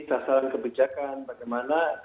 dasaran kebijakan bagaimana